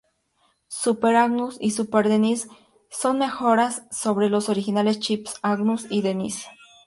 Super Agnus y Super Denise son mejoras sobre los originales chips Agnus y Denise.